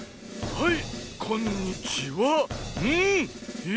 はい！